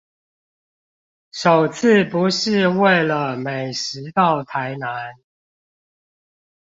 首次不是為了美食到台南